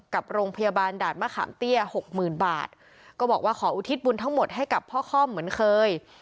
กับโรงพยาบาลด่านมะขามเตี้ยหกหมื่นบาทก็บอกว่าขออุทิศบุญทั้งหมดให้กับพ่อค่อมเหมือนเคย